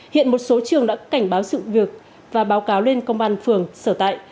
hiện một số trường đã cảnh báo sự việc và báo cáo lên công an phường sở tại